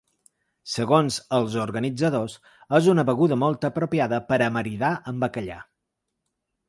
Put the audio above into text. Segons els organitzadors, és una beguda molt apropiada per a maridar amb bacallà.